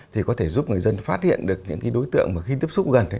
thì có thể giúp người dân phát hiện được những đối tượng mà khi tiếp xúc gần